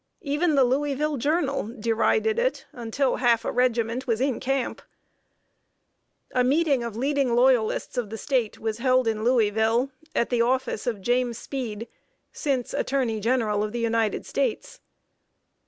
Even The Louisville Journal derided it until half a regiment was in camp. [Sidenote: LOYALTY OF JUDGE LUSK.] A meeting of leading Loyalists of the State was held in Louisville, at the office of James Speed, since Attorney General of the United States.